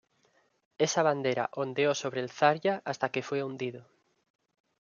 Esa bandera ondeó sobre el "Zarya" hasta que fue hundido.